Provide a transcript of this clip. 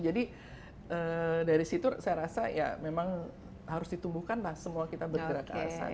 jadi dari situ saya rasa ya memang harus ditumbuhkan lah semua kita bergerak ke arah sana